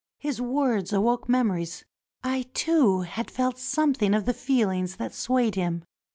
His words awoke memories. I, too, had felt something of the feel ings that swayed him.